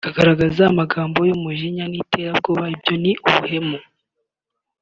akagaragaza amagambo y’umujinya n’iterabwoba ibyo ni ubuhemu